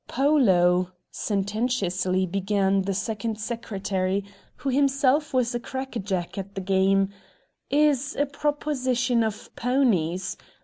"Polo," sententiously began the Second Secretary, who himself was a crackerjack at the game, "is a proposition of ponies!